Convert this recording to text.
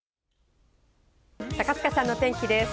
高塚さんのお天気です。